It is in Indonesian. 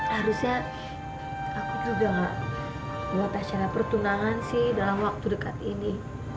harusnya aku juga gak buat acara pertunangan sih dalam waktu dekat ini